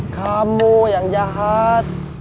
kamu yang jahat